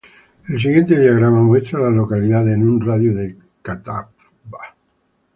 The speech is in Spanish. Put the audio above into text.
El siguiente diagrama muestra a las localidades en un radio de de Catawba.